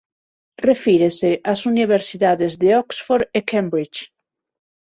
Refírese ás universidades de Oxford e Cambridge.